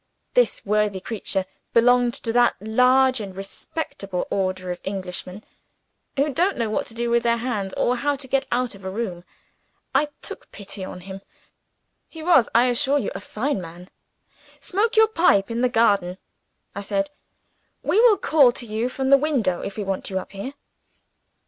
This worthy creature belonged to that large and respectable order of Englishmen, who don't know what to do with their hands, or how to get out of a room. I took pity on him he was, I assure you, a fine man. "Smoke your pipe, sir, in the garden," I said. "We will call to you from the window, if we want you up here."